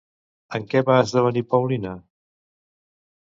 En què va esdevenir Paulina?